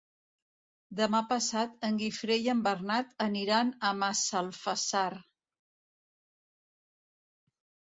Demà passat en Guifré i en Bernat aniran a Massalfassar.